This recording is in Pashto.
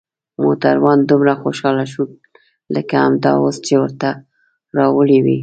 موټروان دومره خوشحاله شو لکه همدا اوس چې ورته راوړي وي.